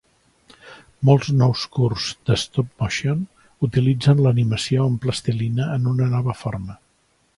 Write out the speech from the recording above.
Molts nous curts de stop-motion utilitzen l'animació amb plastilina en una nova forma.